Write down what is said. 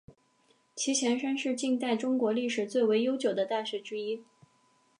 其前身是近代中国历史最为悠久的大学之一。